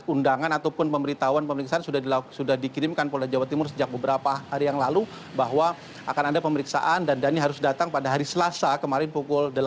undangan ataupun pemberitahuan pemeriksaan sudah dikirimkan polda jawa timur sejak beberapa hari yang lalu bahwa akan ada pemeriksaan dan dhani harus datang pada hari selasa kemarin pukul delapan belas